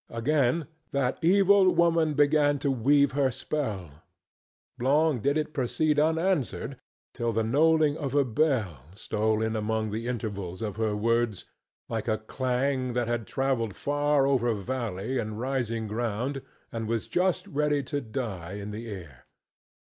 Again that evil woman began to weave her spell. Long did it proceed unanswered, till the knolling of a bell stole in among the intervals of her words like a clang that had travelled far over valley and rising ground and was just ready to die in the air.